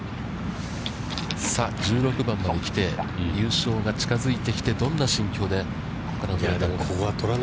さあ、１６番まで来て優勝が近づいてきてどんな心境でこれ。